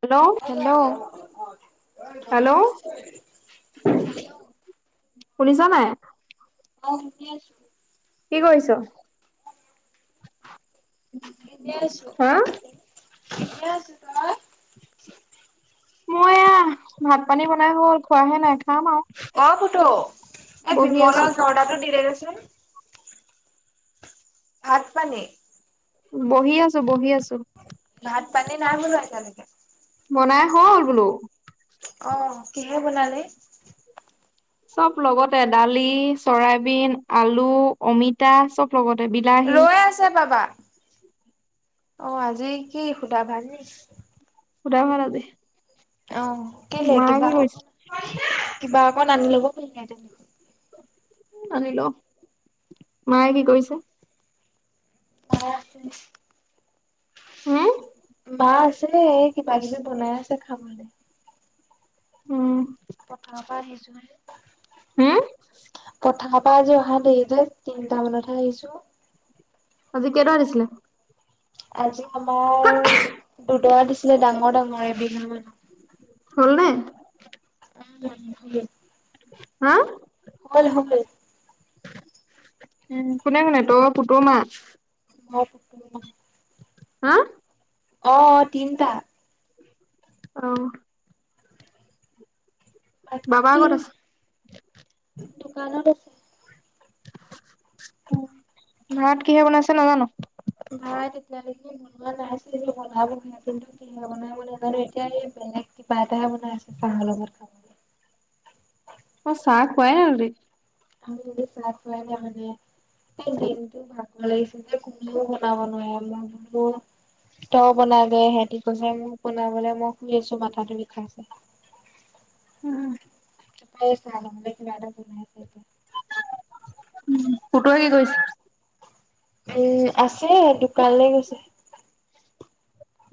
Hello. অ', hello শুনিছা নাই? অ শুনি আছো। কি কৰিছ? এনে আছো হা? এনে আছো তই। মই এয়া ভাত পানী বনাই হ'ল খোৱাহে নাই খাম আও। অ', পুতু এই বিমলৰ জৰ্দাৰটো দি দেগেচোন। ভাত পানী। বহি আছো বহি আছো। ভাত পানী নাই বনোৱা এতিয়া লৈকে। বনাই হ'ল বোলো। অ', কিহে বনালে। চব লগতে দালি, চৰাইবিন, আলু, অমিতা চব। লগতে বিলাহী। ৰৈ আছে বাবা অ আজি কি সোধা ভাত নি। সুদা ভাত আজি। অ', কেলে মায়ে কি কিবা অ', কৰিছে? কিবা অকণ আনি ল'ব পাইলা হয়। আনি ল মায়ে কি কৰিছে? অ হুম বা আছে নাই এই। কিবা কিবি বনাই আছে খাব লে। উম পথাৰ পা আহিছোহে। হুম। পথাৰ পৰা আজি অহা দেৰি যে তিনটা মানতহে আহিছো। অজি কেইটা দিছিলে। আজি আমাৰ দুটা দিছিলে ডাঙৰ ডাঙৰ এবিঘা মান। হ'লনে। উমমম। হা। কমল হমে। উম কোনে কোনে তই পুত মা। অ পুতুল মা। হা। অ', তিনিটা। অহ। বাবা কত আছে। দোকানত। ভাত কিহে বনাইছে নাজানো। ভাত তেতিয়ালৈকে বনোৱা নাইছিল যে বনাবহে কিন্তু কিহে বনাই ল। মইটো এতিয়া এই বেলেগ কিবা এটা হে বনাই আছো চাহৰ লগত খাব। অ', চাহ খুৱাই ন আৰুৰি। আমি যদি চাই খুৱাই ত মানে সেই দিনটো ভাল। লাগছে যে কোনো বনাব নোৱাৰ ম বো। তই বনাগে সেতি কৈছে মোক বনাবলৈ মই শুই আছো মাথাটো বিষাইছে। উম,। প চ মানে কি মা নাই। উ পুতুৱে কি কৈছে। উম আছে দোকানলে গৈছে।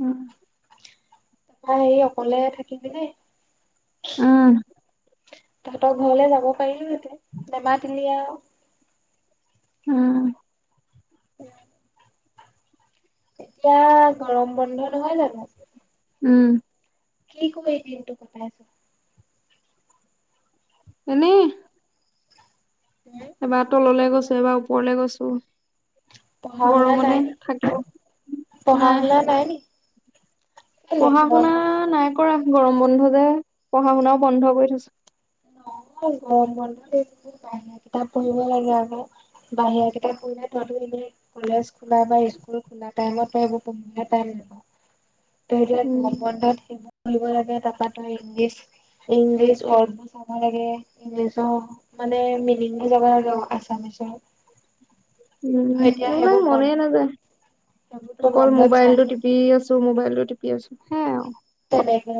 উম,। আহ সি অকলে থাকিলি দেই। উম। তহঁতৰ ঘৰলে যাব পাৰিলো হেতেন। নামাতিলি আৰু। উম। এতিয়া গৰম বন্ধ নহয় জানো? উম। কি কৰি দিনটো কটাই আছ? এনেই। এবাৰ তললে গৈছোঁ এবাৰ ওপৰলে গৈছোঁ। গৰমতে থাকিব নাই। পঢ়া শুনা নাই কৰা গৰম বন্ধ যে। পঢ়া শুনাও বন্ধ কৰি থৈছো। ন গৰ বন্ধত বাহিৰা কিতাপ পঢ়িব লাগে আকৌ। বাহিৰা কেইটা কুই না তহতো এনেই। কলেজ খোলা বা স্কুল খোলা টাইমত এইবোৰ কময় টাইম লব নাপায়। [inaudible] ত‌ই উম বন্ধত সেইবোৰ বুলিব লাগে তাৰপৰা তই ইংলিছ ইংলিছ অত। চাব লাগে ইংলিছৰ মানে মিনিংটো যাব লাগে আছামিছৰ। উম সেইবিলাক মনে নাযায় অকল মোবাইলটো টিপি। টিপি আছো মোবাইলো টিপি আছো হে আৰু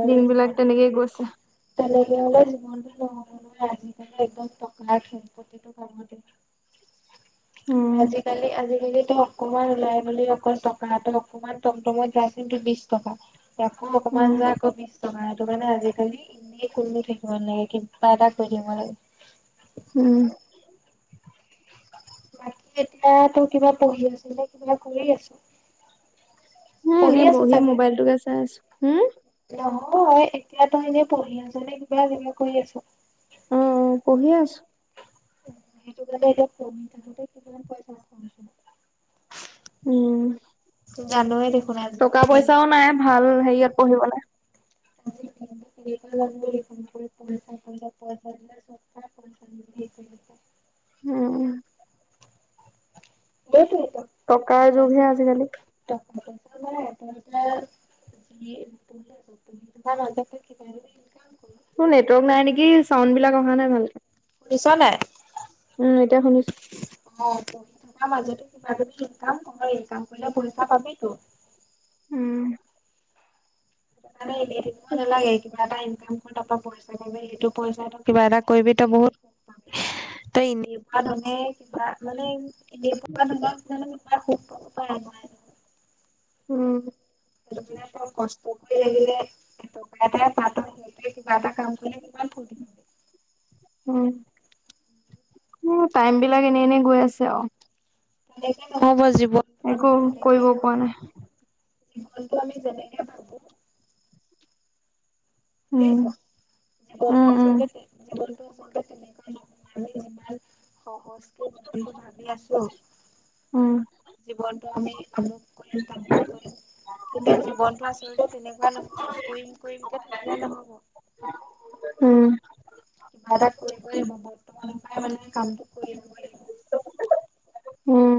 দিন বিলাক তেনেকেই গৈছে। তেনেকে জীৱনটো ন আজিকালি একদম পকৰা। উম আজিকালি আজিকালিত। অকমান ওলাই বুলি অকল টকা অকণমান টমটমত যাইন্তু বিশ টকা। সমান উম যা কবি। তোমাৰটো মানে আজিকালি ইনেয় খ থাকিব নালাগে কিবা এটা কৈ থাকিব লাগে। উম। বাকী এতিয়া তো কিবা পঢ়ি আছিল নে কিবা কৰি আছো। হ এনেই বহি মোবাইল তোকে চাৰ্জ হম। নহয় এতিয়াতো এনে পঢ়িআছ নে কিবা এনেকে কৰি আছ? উম পঢ়ি আছোঁ সেইটো কাৰণে এতিয়া পঢ়ি থাকোতে কিমান পইচা খৰচ হয় উম টকা পইচাও নাই ভাল হেৰিয়ত পঢ়িবলে। [unintelligible] উম উম সেতুৱেই ত'। টকাই যোগহে আজিকালি। [unintelligible] তা মাজতে কিবা এনে তোৰ নেটৱৰ্ক নাই নেকি চাউণ্ড বিলাক অহা নাই ভালকে। নিছ নাই? উম এতিয়া শুনিছো। অ পঢ়ি থকা মাজতে কিবা কিবি ইনকাম কৰ ইনকাম কৰিলে পইচা পাবিটো উম মানে এনে থাকিব নালাগে এইকে কিবা এটা ইনকাম কৰ তাপৰা পইচা পাবি সেইটো পইচা তই কিবা এটা কৰিবি তই বহুত তই এনেকুৱা ধৰণে কিবা মানে এনেকুৱা ধৰণৰ ডিজাইনৰ বস্তুবিলাক উম [unintelligible] পকৰি লাগিলে এটকা এটাই পাও তই সেইটোৱে কিবা এটা কাম কৰিলে কিমান ফূৰ্তি পাবি উম উম টাইম বিলাক এনে এনে গৈ আছে আৱ তেনেকে নহব জীৱন একো কৰিব পোৱা নাই সেতুটো আমি যেনেকে ভাবো উম জীৱনটো উম আচলতে যে জীৱনটো আচলতে তেনেকুৱা নহয় আমি যিমান সহজকে জীৱনটো ভাবি আছো উম জীৱনটো আমি অমুক কৰিম তামুক কৰিম কিন্তু জীৱনটো আচলতে তেনেকুৱা নহয়, কৰিম কৰিম কে থাকিলে নহব। উম কিবা এটা কৰিবই লাগিব বৰ্তমানৰ পৰাই মানে কামটো কৰি লবই লাগিব উম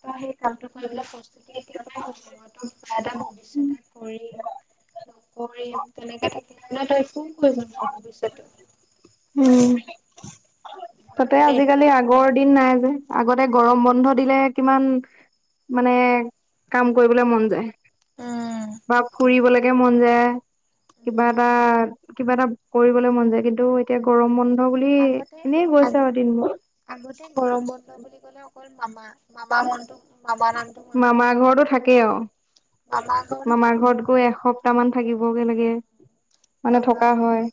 ত সেই কামটো কৰিবলেৰ প্ৰস্তুতি এতিয়া পৰাই কৰিব লাগিব তোৰ কিবা এটা উম ভৱিষ্যত এটা কৰিম নকৰিম তেনেকে থাকিলে মানে তই একো কৰিব নোৱাৰ ভৱিষ্যতটো উম [unintelligible] তাতে আজিকালি আগৰ দিন নাই যে আগতে গৰম বন্ধ দিলে কিমান মানে কাম কৰিবলে মন যায় উম বা ফুৰিবলেকে মন যায় কিবা উম এটা কিবা এটা কৰিবলে মন যায় কিন্তু এতিয়া গৰম বন্ধ বুলি আগতে এনেই আগ গৈছে আৰু দিনবোৰ আগতে গৰম বন্ধ বুলি কলে অকল মামা, মামা মনটো মামা নাম মামাৰ ঘৰতো থাকেই আও মামা ঘৰতো মামাৰ ঘৰত থাকিবই গৈ এস তামান থাকিব কে লাগে। মানে মামা থকা ঘৰ হয়।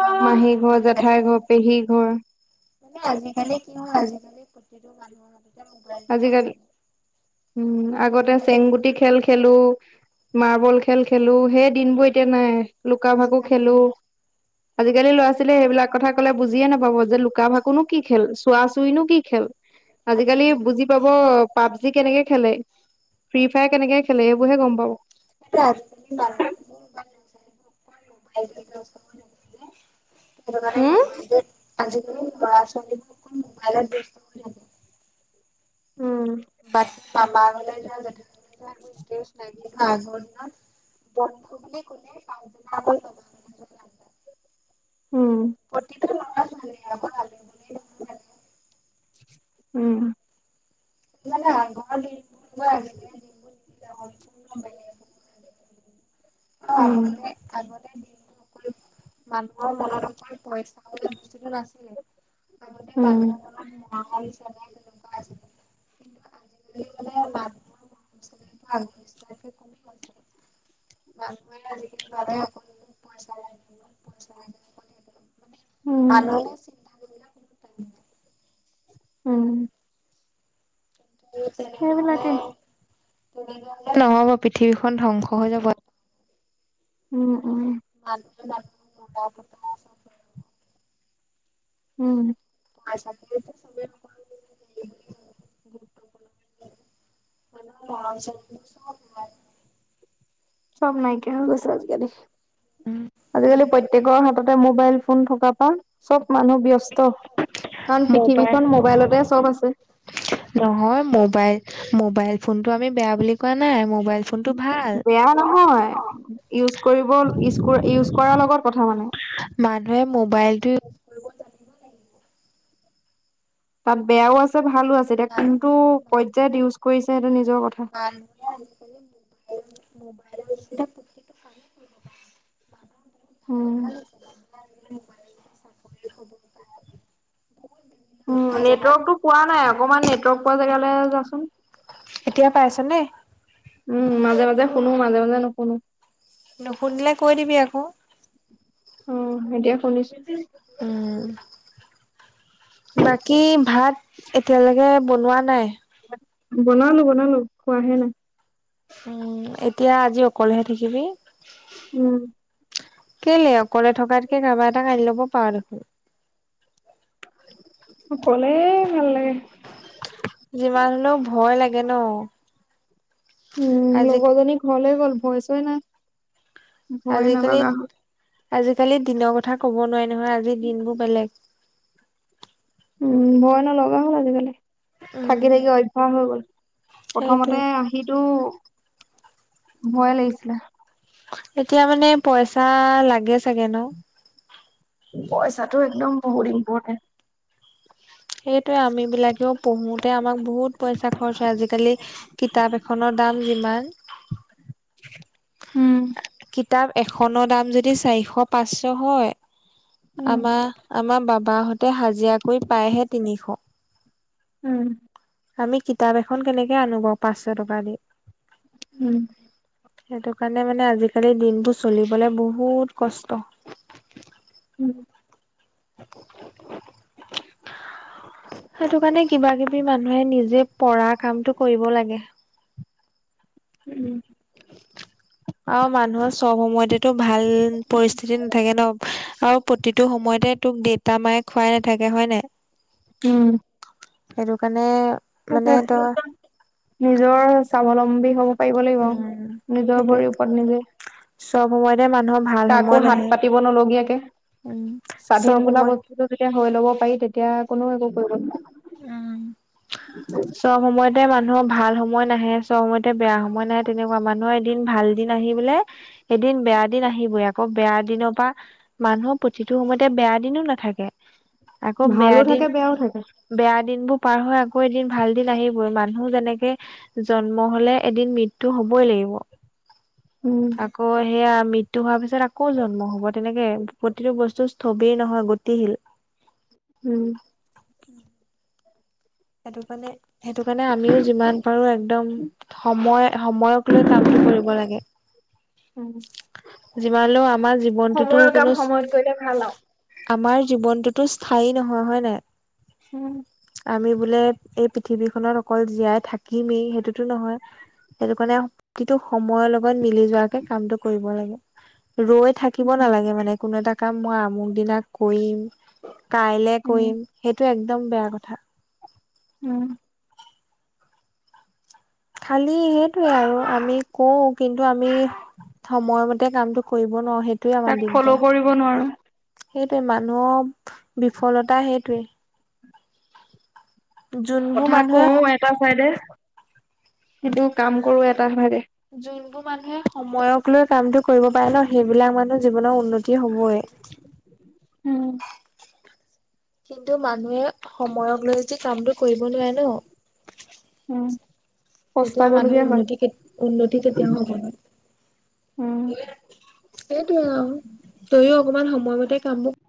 মামা মাহী ঘৰ, যে জেঠাই ঘৰ, পেহী ঘৰ আজিকালি কি হয়নো। আজিকালি উম, আগতে আজিকালি চেংগুটি খেল খেলো মাৰ্বল খেল খেলোঁ সেই দিন বোৰ এতিয়া নাই। লুকা ভাকু আজিকালি খেলো আজিকালি ল'ৰা ছোৱালীয়ে সেইবিলাক কথা কলে বুজিয়ে নাপাব যে লুকা ভাকুনো কি খেল, চোৱা চৰিনো কি খেল। আজিকালি বুজি পাব পাবজি কেনেকে খেলে ফ্ৰী ফায়াৰ কেনেকে খেলে সেইবোৰ হে গম পাব। [unintelligible] সেইটো কাৰণে আজিকালি ল'ৰা হম ছোৱালীোৰ মোবাইল ব্যয়স্থ। উম বা [unintelligible] [unintelligible] উম [unintelligible] উম [unintelligible] অ উম আগতে আগতে দিম [unintelligible] মানুহৰ মনত অকল পইচা বস্তুটো নাছিলে [unintelligible] আগতে উম মানুহৰ [unintelligible] গ [unintelligible] মান আজিকালি বাধাই আকৌ পইচা লাগ [unintelligible] উম আৰু উম সেইবিলাকে নহ'ব পৃথিৱীখন ধ্বংস হৈ যাব। উম উম। আজিকালি [unintelligible] উম [unintelligible] [inaudible] চব নাইকিয়া হৈ গৈছে আজিকালি, আজিকালি প্ৰত্যেকৰ হাততে মোবাইল। ফোন থকাৰ পা চব মানুহ ব্যস্ত। কাৰণ পৃথিৱীখন মোবাইলতে চব আছে। নহই মবাইল, মবাইল ফোনটো আমি বেয়া বুলি কোৱা নাই, মবাইল বেয়া নহয়, ইউজ কৰিব ইজ ইউজ কৰাৰ লগত কথা মানে। মানুহে মোবাইলটো [inaudible] তাত বেয়াও আছে ভালো আছে, এতিয়া কোনটো পৰ্যায়ত ইউজ কৰিছে সেইটো নিজৰ কথা। [inaudible] [inaudible] [inaudible] উম, নেটৱৰ্কতটো পোৱা নাই। অকমান নেটৱৰ্ক পোৱা জেগালৈ আহিবা চোন। এতিয়া পাইছ নে? উম, মাজে মাজে শুনো, মাজে মাজে নুশুনো। নুশুনিলে কৈ দিবি আকৌ। অ', এতিয়া শুনিছো। উম। বাকী ভাত এতিয়ালৈকে বনোৱা নাই। বনালো, বনালো খোৱাহে নাই। উম, এতিয়া আজি অকলেহে থাকিবি। উম। কেলে অকলে থকাতকে, কাৰবা এটাক আনি ল'ব পাৰ দেখোন। অকলে ভাল লাগে। যিমান হলেও, ভয় লাগে ন',। উম, আজি লগৰজনী ঘৰলে গ'ল ভয়চই নাই। ভয়ে নলগা হ'ল আজিকালি-আজিকালি দিনৰ কথা ক'ব নোৱাৰি নহয়, আজি দিনবোৰ বেলেগ। উম, ভয় নলগা হ'ল আজিকালি, থাকি উম, থাকি অভ্যাস হৈ গ'ল। সেইটোৱে প্ৰথমতে আহিতো ভয় লাগিছিলে। এতিয়া, মানে, পইচা লাগে চাগে ন? পইচাটো একদম বহুত ইম্পৰ্টেণ্ট। সেইটোৱে আমি বিলাকেও পঢ়োতে, আমাক বহুত পইচা খৰচ হয় আজিকালি। কিতাপ এখনৰ দাম যিমান। উম। কিতাপ এখনৰ দাম যদি চাৰিশ পাঁচশ হয়, উম, আমাৰ আমাৰ বাবাহঁতে হাজিৰা কৰি পায়হে তিনিশ। উম। আমি কিতাপ এখন কেনেকে আনো বাৰু, পাঁচশ টকা দি। উম। সেইটো কাৰণে, মানে, আজিকালি দিনবোৰ চলিবলে বহুত কষ্ট। উম। [inaudible] সেইটো কাৰণে, কিবা কিবি মানুহে নিজে পৰা কামতটো কৰিব লাগে। উম। আৰু মানুহৰ চব সময়তেতো ভাল পৰিস্থিতি নাথাকে ন, আৰু প্ৰতিটো সময়তে তোক দেউতা মায়ে খুৱাই নাথাকে হয় নাই। উম। সেইটো কাৰণে মানে তই সেইটোৱেই, নিজৰ স্বাৱলম্বী হব পাৰ লাগিব, উম নিজৰ সেইটোৱে। ভৰিৰ ওপৰত নিজে। চব সময়তে মানুহৰ ভাল কাকো সময় হাত নাহে। পাতিব নলগীয়াকে। উম স্বাধীন চব বোলা সময় বস্তুটো যেতিয়া হৈ ল'ব পাৰি তেতিয়া কোনো একো কৰিব নোৱাৰে উম [inaudible] চব সময়তে মানুহৰ ভাল সময় নাহে চব সময়তে বেয়া সময় নাহে তেনেকুৱা মানুহৰ এদিন ভাল দিন আহি বোলে এদিন বেয়া দিন আহিবই আকৌ বেয়া দিনৰ পৰা মানুহৰ প্ৰতিটো সময়তে বেয়া দিনো নাথাকে আকৌ বেয়া ভালো থাকে দিন বেয়াও থাকে। বেয়া দিন বোৰ পাৰ হৈ আকৌ এদিন ভাল দিন আহিবই মানুহ যেনেকে জন্ম হলে এদিন মৃত্যু হবই লাগিব উম আকৌ সেয়া মৃত্যু হোৱাৰ পিছত আকৌ জন্ম হ'ব তেনেকে প্ৰতিটো বস্তু স্থবিৰ নহয় গতিশীল উম সেইটো কাৰণে সেইটো কাৰণে আমিও যিমান বাৰু একদম সময় সময়ক লৈ কামটো কৰিব লাগে উম যিমান লও আমাৰ জীৱনটোতো সময়ৰ কাম কোনো সময়ত কৰিলে ভাল আৰু। আমাৰ জীৱনটোতো স্থায়ী নহয় হয় নাই উম আমি বোলে এই পৃথিৱীখনত অকল জীয়াই থাকিমেই সেইটোতো নহয় সেইটো কাৰণে প্ৰতিটো সময়ৰ লগত মিলি যোৱাকে কামটো কৰিব লাগে ৰৈ থাকিব নালাগে মানে। কোনো এটা কাম মই আমুক দিনা কৰিম কাইলে উম কৰিম সেইটো একদম বেয়া কথা উম খালি সেইটোৱে আৰু আমি কওঁ কিন্তু আমি সময়মতে কামটো কৰিব নোৱাৰো সেই সেইটোৱে তাক আমাৰ ফ'ল' দিগদাৰ কৰিব নোৱাৰো। সেইটোৱে মানুহৰ বিফলতা সেইটোৱে যোনবোৰ কথা মানুহে কও এটা চাইডে কিন্তু কাম কৰো এটা ভাগে যোনবোৰ মানুহে সময়ক লৈ কামটো কৰিব পাৰে ন সেইবিলাক মানুহ জীৱনত উন্নতি হবই উম কিন্তু মানুহে সময়ক লৈ যদি কামটো কৰিব নোৱাৰে ন উম তেতিয়া মানুহ পস্তাবলগীয়া হয়। উন্নতি উন্নতি কেতিযাওঁ হ'ব নোৱাৰে উম সেইটোয়ে আৰু তইও অকমান সময়মতে কামবোৰ